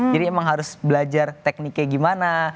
jadi emang harus belajar tekniknya gimana